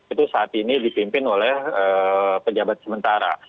itu saat ini dipimpin oleh pejabat sementara